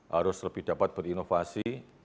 harus lebih dapat berinovasi